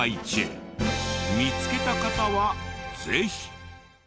見つけた方はぜひ！